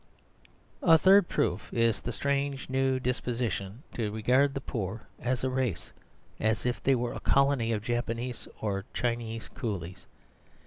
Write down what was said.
A third proof is the strange new disposition to regard the poor as a race; as if they were a colony of Japs or Chinese coolies.